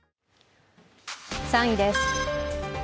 ３位です。